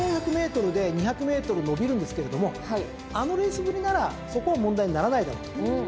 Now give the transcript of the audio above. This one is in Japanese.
前走１，４００ｍで２００ｍ延びるんですけれどもあのレースぶりならそこは問題にならないだろうと。